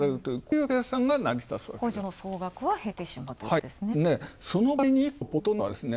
補助の総額は減ってしまうということですね。